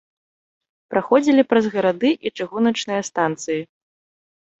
Праходзілі праз гарады і чыгуначныя станцыі.